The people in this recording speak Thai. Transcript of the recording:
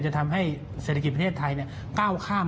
จะทำให้เศรษฐกิจประเทศไทยก้าวข้าม